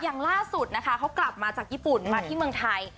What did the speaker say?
อย่างล่าสุดนะคะเขากลับมาจากญี่ปุ่นมาที่เมืองไทย